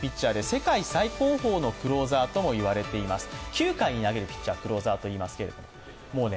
９回に投げるピッチャーをクローザーといいます。